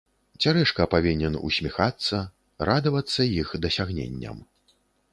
Цярэшка павінен усміхацца, радавацца іх дасягненням.